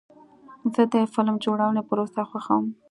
زه د فلم جوړونې پروسه خوښوم.